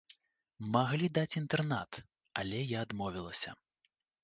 Маглі даць інтэрнат, але я адмовілася.